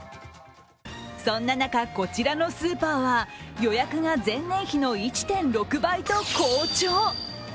そんな中、こちらのスーパーは予約が前年比の１．６倍と好調。